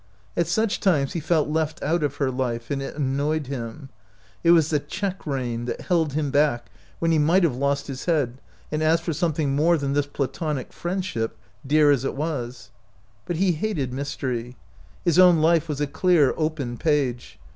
At such times he felt left out of her life, and it annoyed him. It was the check rein that held him back when he might have lost his head and asked for something more than this platonic friend ship, dear as it was. But he hated mystery. His own life was a clear, open page.